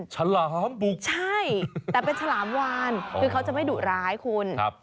ฉลามบุกใช่แต่เป็นฉลามวานคือเขาจะไม่ดุร้ายคุณครับ